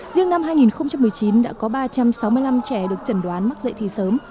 riêng năm hai nghìn một mươi chín đã có ba trăm sáu mươi năm trẻ được trần đoán mắc dạy thì sớm